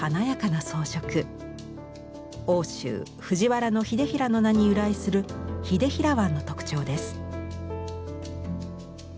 奥州藤原秀衡の名に由来する「秀衡椀」の特徴です。